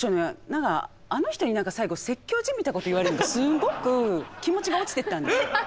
何かあの人に最後説教じみたこと言われるのすごく気持ちが落ちていったんです。